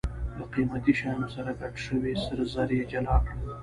له قیمتي شیانو سره ګډ شوي سره زر یې جلا کړل.